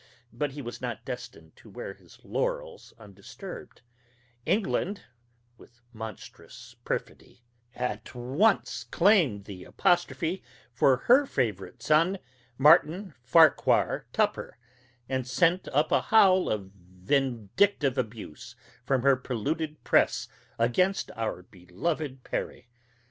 But he was not destined to wear his laurels undisturbed: England, with monstrous perfidy, at once claimed the "Apostrophe" for her favorite son, Martin Farquhar Tupper, and sent up a howl of vindictive abuse from her polluted press against our beloved Perry.